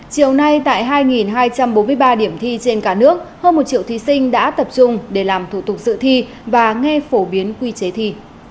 chiều nay tại hai hai trăm bốn mươi ba điểm thi trên cả nước hơn một triệu thí sinh đã tập trung để làm thủ tục dự thi và nghe phổ biến quy chế thi